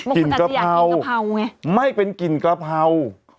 กลิ่นกะเพราไม่เป็นกลิ่นกะเพรา